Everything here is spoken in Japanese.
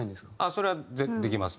それはできます。